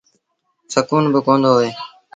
سڪون با ڪوندو هوئي۔